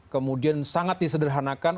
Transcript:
kemudian sangat disederhanakan